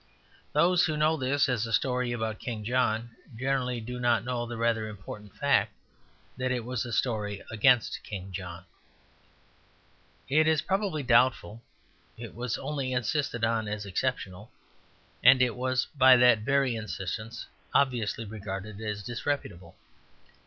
Those who know this as a story about King John generally do not know the rather important fact that it was a story against King John. It is probably doubtful; it was only insisted on as exceptional; and it was, by that very insistence, obviously regarded as disreputable.